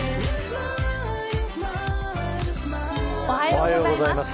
おはようございます。